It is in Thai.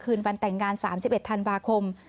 คืนวันแต่งงาน๓๑ธันวาคม